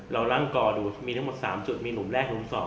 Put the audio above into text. เราล่างกรดูมีทั้งหมด๓จุดมีหนุ่มแรกหนุ่มสอง